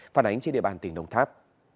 phản ánh trên địa bàn tỉnh nông tháp